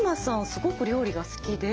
すごく料理が好きで。